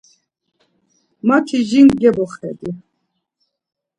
Mati jin geboxedi.